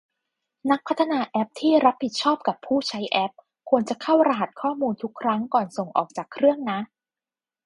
นักพัฒนาแอปที่รับผิดชอบกับผู้ใช้แอป ควรจะเข้ารหัสข้อมูลทุกครั้งก่อนส่งออกจากเครื่องนะ